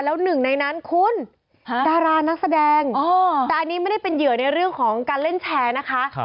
แล้วหนึ่งในนั้นคุณดารานักแสดงแต่อันนี้ไม่ได้เป็นเหยื่อในเรื่องของการเล่นแชร์นะคะ